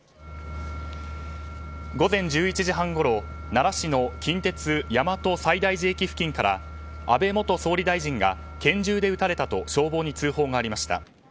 午前１１時ごろ、奈良市の近鉄大和西大寺駅付近から安倍元総理大臣が拳銃で撃たれたと消防に通報がありました。